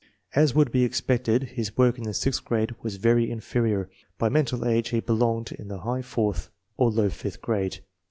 As would be expected, his work in the sixth grade was very inferior. By mental age he belonged in the high fourth or low fifth grade.